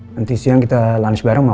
nanti siang kita lunch bareng sama